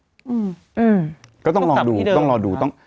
อืมต้องกลับที่เดิมนะครับก็ต้องรอดู